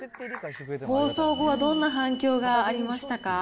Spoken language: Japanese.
放送後はどんな反響がありましたか。